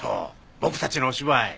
僕たちのお芝居。